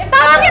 kayain gue ya